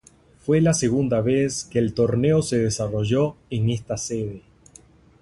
Fue la segunda vez que el torneo se desarrolló en esta sede.